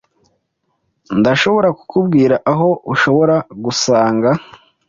Ndashobora kukubwira aho ushobora gusanga .